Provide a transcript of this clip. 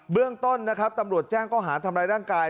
เรื่องต้นนะครับตำรวจแจ้งก็หาทำร้ายร่างกาย